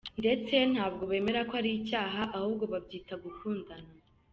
Ndetse ntabwo bemera ko ari icyaha, ahubwo babyita gukundana.